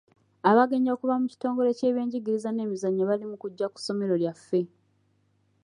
Abagenyi okuva mu kitongole ky'ebyenjigiriza n'emizannyo bali mu kujja ku ssomero lyaffe.